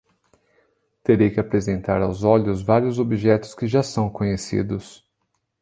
Terei que apresentar aos olhos vários objetos que já são conhecidos.